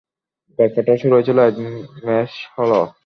গল্পটা শুরু হয়েছিল এক মেস হলে।